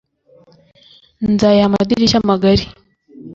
I nzayiha amadirishya magari